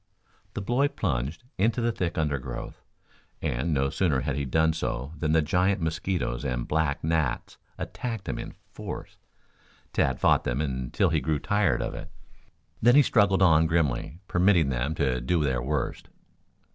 The boy plunged into the thick undergrowth, and no sooner had he done so than the giant mosquitoes and black gnats attacked him in force. Tad fought them until he grew tired of it, then he trudged on grimly, permitting them to do their worst.